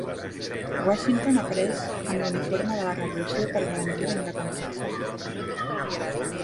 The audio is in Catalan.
Washington apareix amb l'uniforme de la revolució per garantir la independència americana.